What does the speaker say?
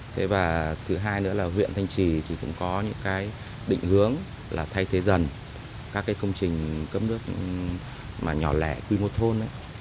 thứ hai nữa là huyện thanh trì cũng có những định hướng là thay thế dần các công trình cấp nước nhỏ lẻ quy mô thôn